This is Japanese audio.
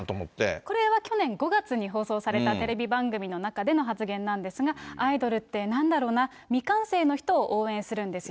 これは去年５月に放送されたテレビ番組の中での発言なんですが、アイドルってなんだろうな、未完成の人を応援するんですよ。